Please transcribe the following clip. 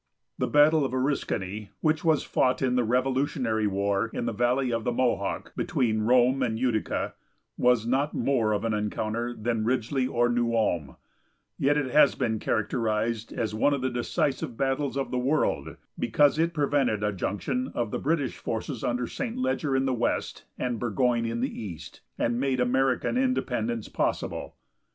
The battle of Oriscany, which was fought in the Revolutionary War in the valley of the Mohawk, between Rome and Utica, was not more of an encounter than Ridgely or New Ulm, yet it has been characterized as one of the decisive battles of the world, because it prevented a junction of the British forces under St. Ledger in the west and Burgoyne in the east, and made American independence possible.